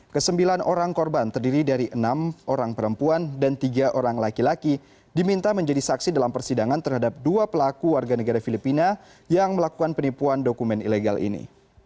kesembilan orang korban terdiri dari enam orang perempuan dan tiga orang laki laki diminta menjadi saksi dalam persidangan terhadap dua pelaku warga negara filipina yang melakukan penipuan dokumen ilegal ini